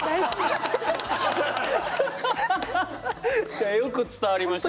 いやよく伝わりました